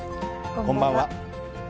こんばんは。